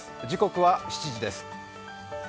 時刻は７時です。